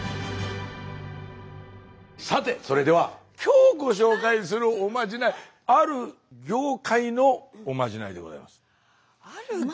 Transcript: さてそれでは今日ご紹介するおまじないある業界？おまじない？